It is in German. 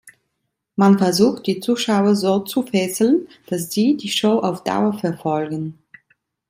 Man versucht, die Zuschauer so zu fesseln, dass sie die Show auf Dauer verfolgen.